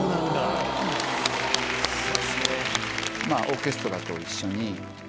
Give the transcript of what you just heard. オーケストラと一緒に。